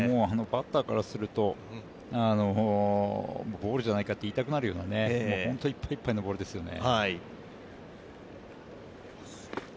バッターからすると、ボールじゃないかと言いたくなるような本当いっぱいいっぱいのボールですよね。